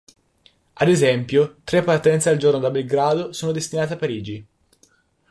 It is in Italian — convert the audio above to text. Ad esempio tre partenze al giorno da Belgrado sono destinate a Parigi.